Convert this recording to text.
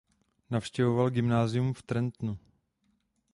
Navštěvoval gymnázium v Trentu.